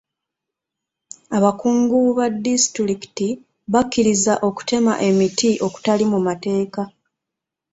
Abakungu ba disitulikiti bakkiriza okuteema emiti okutali mu maateeka.